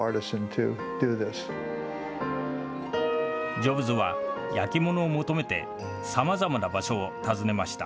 ジョブズは焼き物を求めて、さまざまな場所を訪ねました。